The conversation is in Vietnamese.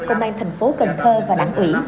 công an tp cần thơ và đảng ủy